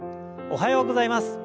おはようございます。